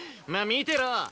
まあ見てろ。